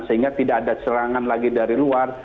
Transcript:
sehingga tidak ada serangan lagi dari luar